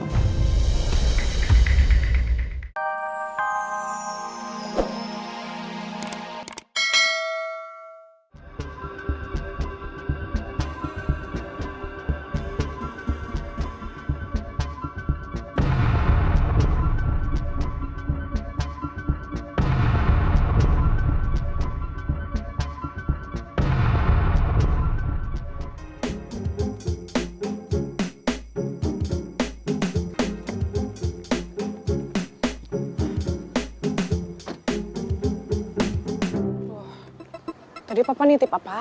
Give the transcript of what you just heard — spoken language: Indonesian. tidak ada yang bisa dipercaya